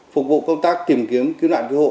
phục vụ công tác tìm kiếm cứu nạn cứu hộ